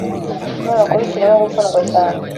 Ikinyamakuru kirimo gukundwa cyane